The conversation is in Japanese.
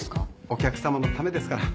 お客さまのためですから。